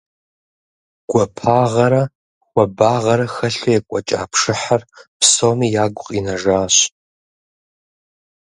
Гуапагъэрэ хуабагъэрэ хэлъу екӀуэкӀа пшыхьыр псоми ягу къинэжащ.